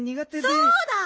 そうだ！